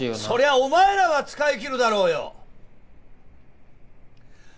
そりゃお前らは使い切るだろうよ！